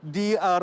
di ruang perawatan